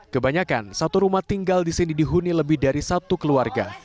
kebanyakan satu rumah tinggal di sini dihuni lebih dari satu keluarga